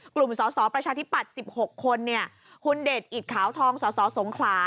กลุ่มสาวประชาธิปัตย์๑๖คนหุ่นเดชอิตขาวทองสาวสงขลา